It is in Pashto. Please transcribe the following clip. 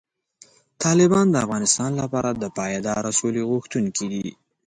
طالبان د افغانستان لپاره د پایداره سولې غوښتونکي دي.